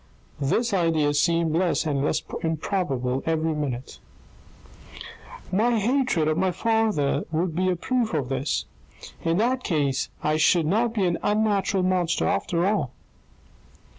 " This idea seemed less and less improbable every minute " My hatred of my father would be a proof of this In that case, I should not be an unnatural monster after all."